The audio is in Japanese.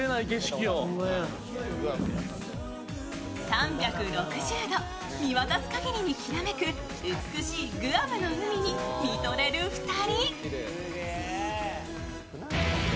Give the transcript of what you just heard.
３６０度見渡す限りにきらめく美しいグアムの海に見とれる２人。